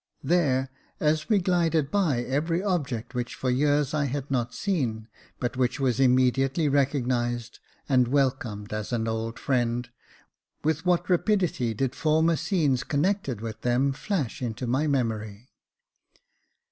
There, as we glided by every object which for years I had not seen, but which was immediately recognised, and welcomed as an old friend, with what rapidity did former scenes connected with them flash into my memory